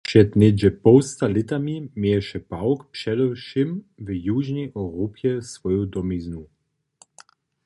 Před něhdźe połsta lětami měješe pawk předewšěm w južnej Europje swoju domiznu.